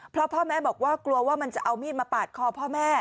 เพราะพ่อแม่บอกว่ากลัวว่ามันจะเอามีดมาปาดคอพ่อแม่